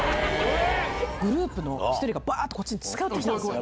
グループの１人が、ばーっとこっちに近寄ってきたんですよ。